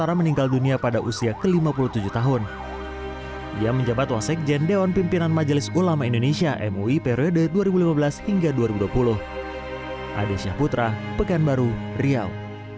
pemakaman covid sembilan belas di palaung pekanbaru riau jenazah ustadz tengku zulkarnain disolatkan di halaman rumah sakit